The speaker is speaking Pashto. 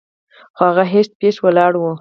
خو هغه هيښه پيښه ولاړه وه.